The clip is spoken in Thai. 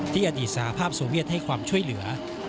อดีตสหภาพโซเวียตให้ความช่วยเหลือ